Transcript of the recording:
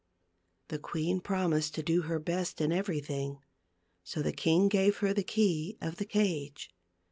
The queen promised to do her best in every thing ; so the king gave her the key of the cage.